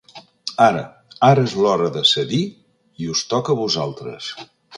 Ara, ara es l’hora de cedir i us toca a vosaltres.